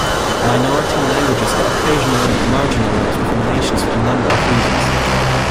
Minority languages are occasionally marginalised within nations for a number of reasons.